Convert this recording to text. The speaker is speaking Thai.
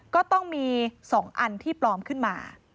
ก็ต้องมี๒อันที่ปลอมขึ้นมา